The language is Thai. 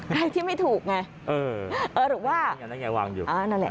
อะไรที่ไม่ถูกไงเอ่อหรือว่าวางอยู่